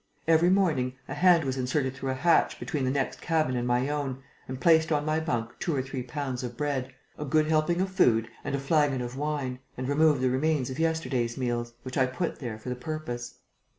Every morning, a hand was inserted through a hatch between the next cabin and my own and placed on my bunk two or three pounds of bread, a good helping of food and a flagon of wine and removed the remains of yesterday's meals, which I put there for the purpose.